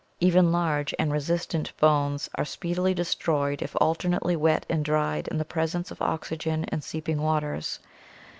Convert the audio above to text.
Even large and resistent bones are speedily destroyed if alternately wet and dried in the presence of oxygen and seeping waters.